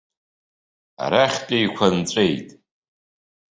Арахьтәиқәа нҵәеит.